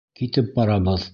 Китеп барабыҙ.